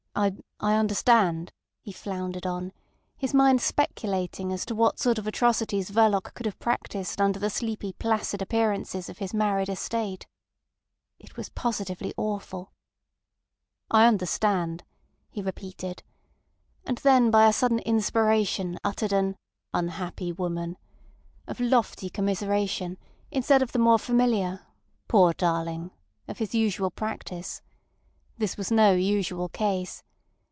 I—I understand," he floundered on, his mind speculating as to what sort of atrocities Verloc could have practised under the sleepy, placid appearances of his married estate. It was positively awful. "I understand," he repeated, and then by a sudden inspiration uttered an—"Unhappy woman!" of lofty commiseration instead of the more familiar "Poor darling!" of his usual practice. This was no usual case.